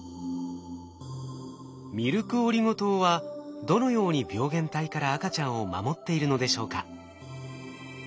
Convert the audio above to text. ミルクオリゴ糖はどのように病原体から赤ちゃんを守っているのでしょうか？